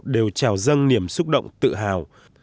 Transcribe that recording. đều trào dâng niềm xúc động tự hào